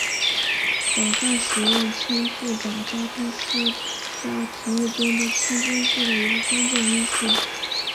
广泛使用氢助长交通是在提议中的氢经济的一个关键因素。